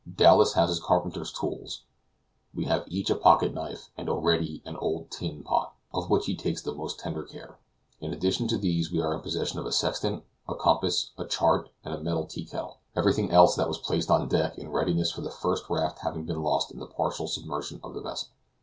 Dowlas has his carpenter's tools, we have each a pocket knife, and O'Ready an old tin pot, of which he takes the most tender care; in addition to these, we are in possession of a sextant, a compass, a chart, and a metal tea kettle, everything else that was placed on deck in readiness for the first raft having been lost in the partial submersion of the vessel.